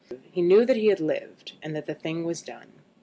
He knew that he had lived, and that the thing was done.